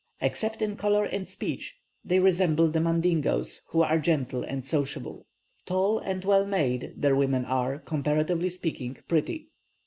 Except in colour and speech, they resemble the Mandingoes, who are gentle and sociable. Tall and well made, their women are, comparatively speaking, pretty.